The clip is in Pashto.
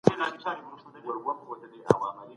آیا ستاسو په نظر ښه خلک په غریبۍ کي هم پیدا کیږي؟